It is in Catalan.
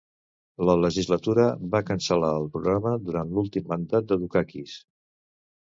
La legislatura va cancel·lar el programa durant l'últim mandat de Dukakis.